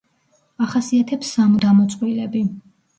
ახასიათებს სამუდამო წყვილები.